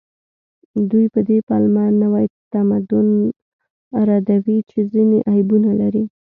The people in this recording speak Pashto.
دوی په دې پلمه نوي تمدن ردوي چې ځینې عیبونه لري